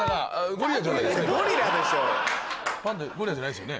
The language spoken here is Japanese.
ゴリラじゃないですか。